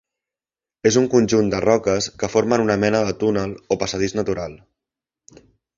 És un conjunt de roques que formen una mena de túnel o passadís natural.